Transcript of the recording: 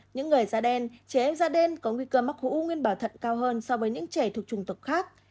những người da đen trẻ em da đen có nguy cơ mắc hũ nguyên bào thận cao hơn so với những trẻ thuộc trùng tộc khác